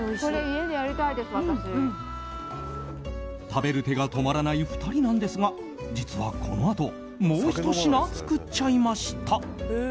食べる手が止まらない２人なんですが実はこのあともうひと品作っちゃいました。